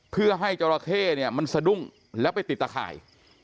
เพื่อให้เจ้าระเข้มันสะดุ้งแล้วไปติดตาข่าย